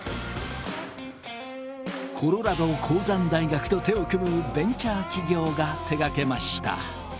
コロラド鉱山大学と手を組むベンチャー企業が手がけました。